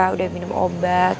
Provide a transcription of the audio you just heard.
udah minum obat